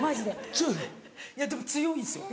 強いの？でも強いんですよ